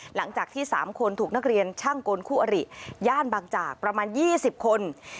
หลังจากที่๓คนถูกนักเรียนช่างกลคู่อริย่านบางจากประมาณ๒๐คน